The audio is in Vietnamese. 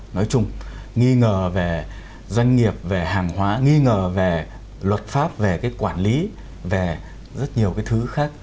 nói chung nghi ngờ về doanh nghiệp về hàng hóa nghi ngờ về luật pháp về cái quản lý về rất nhiều cái thứ khác